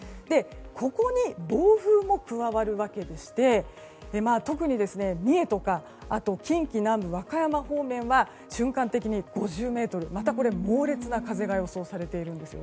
ここに暴風も加わるわけでして特に三重とかあと近畿南部、和歌山方面は瞬間的に５０メートルと猛烈な風が予想されています。